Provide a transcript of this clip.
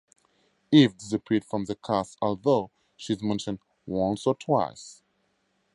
Eve disappeared from the cast although she is mentioned once or twice.